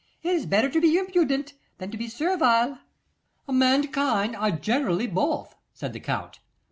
It is better to be impudent than to be servile.' 'Mankind are generally both,' said the Count.